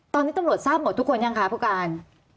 ตอนนี้ตำรวจทราบหมดทุกคนยังคะผู้การ